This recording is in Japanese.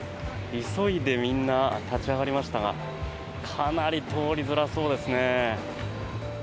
急いでみんな立ち上がりましたがかなり通りづらそうですね。